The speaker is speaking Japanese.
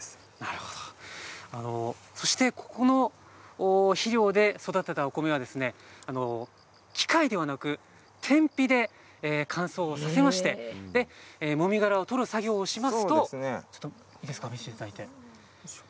そして、ここの肥料で育てたお米は、機械ではなく天日で乾燥させましてもみ殻を取る作業をしますとちょっといいですか？